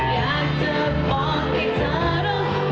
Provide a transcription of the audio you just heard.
อยากจะบอกให้เธอรู้